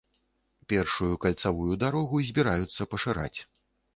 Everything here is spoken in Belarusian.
Першую кальцавую дарогу збіраюцца пашыраць.